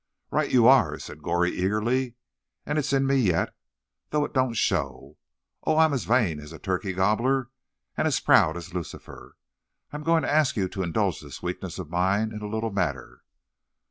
"Right you are," said Goree eagerly. "And it's in me yet, though it don't show. Oh, I'm as vain as a turkey gobbler, and as proud as Lucifer. I'm going to ask you to indulge this weakness of mine in a little matter."